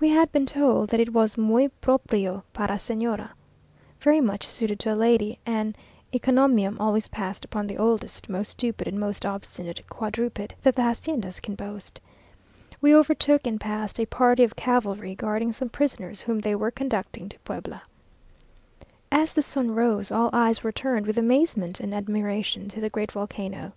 We had been told that it was "muy proprio para Señora," very much suited to a lady, an encomium always passed upon the oldest, most stupid, and most obstinate quadruped that the haciendas can boast. We overtook and passed a party of cavalry, guarding some prisoners, whom they were conducting to Puebla. As the sun rose, all eyes were turned with amazement and admiration to the great volcano.